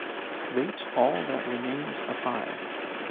Rate All That Remains a five